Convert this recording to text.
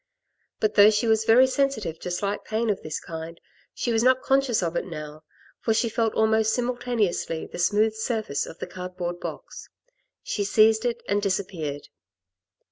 But, though she was very sensitive to slight pain of this kind, she was not conscious of it now, for she felt almost simultaneously the smooth surface of the cardboard box. She seized it and disappeared.